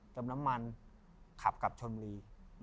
เติมน้ำมันขับกับชนบุรี